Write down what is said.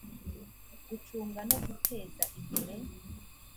gucunga no guteza imbere